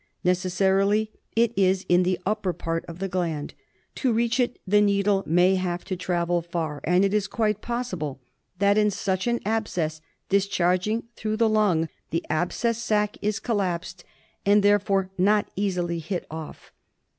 Necessarily it is in the upper part of the gland. To reach it the needle may have to travel far ; and it is quite possible that in such an abscess discharging through the lung, the abscess sac is collapsed, and there fore not easily hit off.